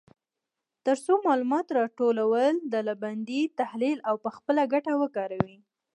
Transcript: تر څو معلومات راټول، ډلبندي، تحلیل او په خپله ګټه وکاروي.